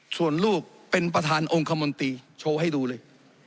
ส่วนลูกเป็นประธานองค์คมนตรีโชว์ให้ดูเลย